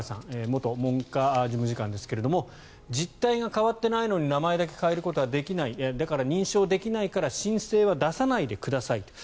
元文科事務次官ですが実態が変わっていないのに名前だけ変えることはできないだから認証できないから申請は出さないでくださいと。